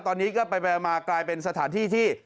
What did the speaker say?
ตอนนี้ก็ไปมากลายเป็นสถานที่ที่